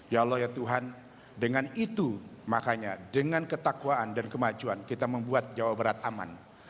ya allah ya tuhan dengan itu makanya dengan ketakwaan dan kemajuan kita membuat jawa barat aman